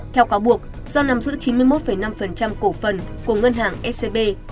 theo cáo buộc do nắm giữ chín mươi một năm cổ phần của ngân hàng scb